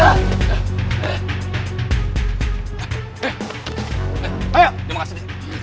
aku bisa memimpin